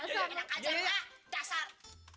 enak aja ya dasar